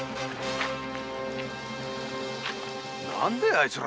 何でぇあいつら